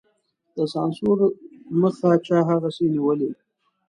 د سانسور مخه چا هغسې نېولې.